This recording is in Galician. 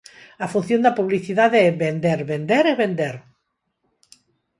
A función da publicidade é "vender, vender e vender".